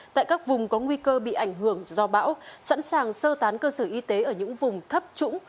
tại các vùng có nguy cơ bị ảnh hưởng do bão sẵn sàng sơ tán cơ sở y tế ở những vùng thấp trũng